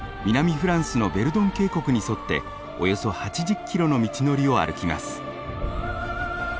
フランスのヴェルドン渓谷に沿っておよそ８０キロの道のりを歩きます。